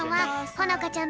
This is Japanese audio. ほのかちゃん